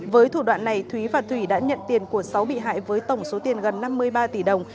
với thủ đoạn này thúy và thủy đã nhận tiền của sáu bị hại với tổng số tiền gần năm mươi ba tỷ đồng